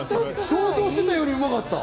想像してたよりうまかった。